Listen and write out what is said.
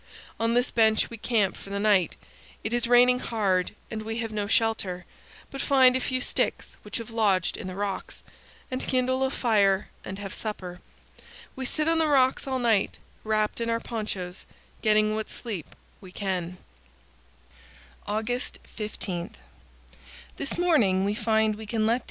On this bench we camp for the night. It is raining hard, and we have no shelter, but find a few sticks which have lodged in the rocks, and kindle a fire and have supper. We sit on the rocks all night, wrapped in our ponchos, getting what sleep we can. 254 powell canyons 162.jpg THE INNER GORGE. 255 TO THE FOOT OF THE GRAND CANYON. August 15.